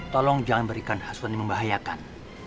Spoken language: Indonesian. tolong jangan berikan hasil yang membahayakan